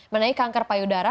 mengenai kanker payudara